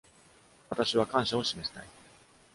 私は感謝を示したい。